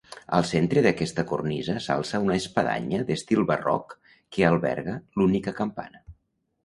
Al centre d'aquesta cornisa s'alça una espadanya d'estil barroc que alberga l'única campana.